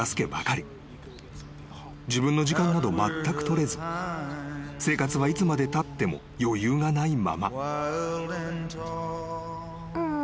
［自分の時間などまったく取れず生活はいつまでたっても余裕がないまま］